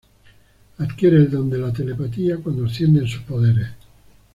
Adquiere el don de la telepatía cuando ascienden sus poderes.